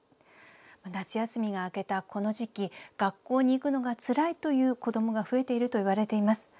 夏休みが明けたこの時期学校に行くのがつらいという子どもが増えているといわれています。